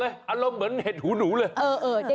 รู้จังจะบอกแบบเหมือนเห็ดผูหนูเลยอ่ะ